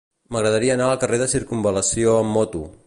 M'agradaria anar al carrer de Circumval·lació amb moto.